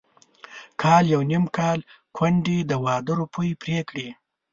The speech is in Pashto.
کال يو نيم کال کونډې د واده روپۍ پرې کړې.